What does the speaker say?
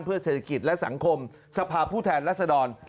เพื่อเศรษฐกิจและสังคมสภาพผู้แทนรัศดร